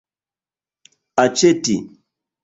aĉeti